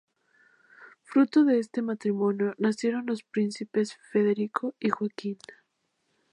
Fruto de este matrimonio nacieron los príncipes Federico y Joaquín.